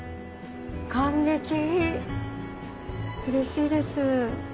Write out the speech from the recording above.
感激うれしいです。